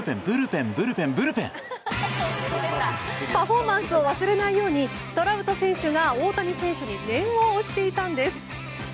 パフォーマンスを忘れないようにトラウト選手が大谷選手に念を押していたんです。